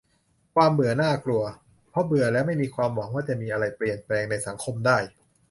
"ความเบื่อน่ากลัว เพราะเบื่อแล้วไม่มีความหวังว่าจะมีอะไรเปลี่ยนแปลงในสังคมได้"